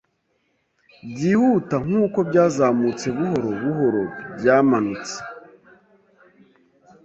Byihuta nkuko byazamutse buhoro buhoro byamanutse